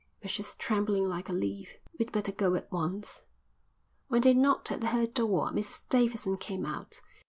But she's trembling like a leaf." "We'd better go at once." When they knocked at her door Mrs Davidson came out.